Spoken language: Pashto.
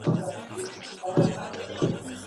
او د ګوګل ځواب